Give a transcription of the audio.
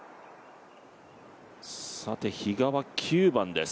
比嘉は９番です。